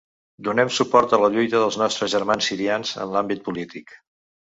Donem suport a la lluita dels nostres germans sirians en l’àmbit polític.